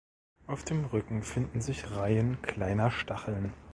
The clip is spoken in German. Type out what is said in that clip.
Auf dem Rücken finden sich Reihen kleiner Stacheln.